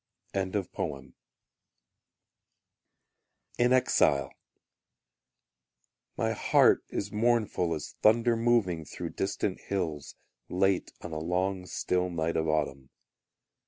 In Exile My heart is mournful as thunder moving Through distant hills Late on a long still night of autumn.